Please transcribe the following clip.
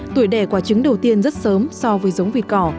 tuổi đẻ quả trứng đầu tiên rất sớm so với giống vịt cỏ